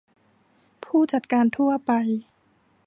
ผู้จัดการทั่วไป